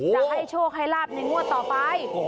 จะให้โชคให้ลาบในงวดต่อไป